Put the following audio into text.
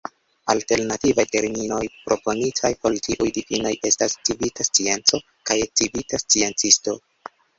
Alternativaj terminoj proponitaj por tiuj difinoj estas "civita scienco" kaj "civita sciencisto.